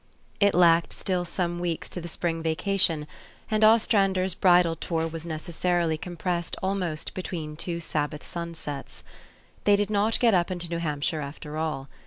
It lacked still some weeks to the spring vacation, and Ostrander's bridal tour was necessarily com pressed almost between two sabbath sunsets. They did not get up into New Hampshire, after all.